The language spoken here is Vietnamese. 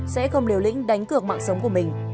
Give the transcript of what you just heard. sẽ không liều lĩnh đánh cược mạng sống của mình